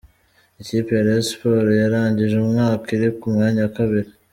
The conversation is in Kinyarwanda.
Ikipe ya Rayon Sports yarangije umwaka iri ku mwanya wa kabiri.